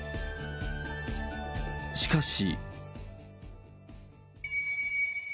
しかし。